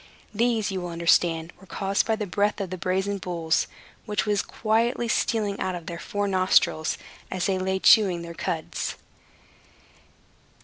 These, you will understand, were caused by the breath of the brazen bulls, which was quietly stealing out of their four nostrils, as they lay chewing their cuds.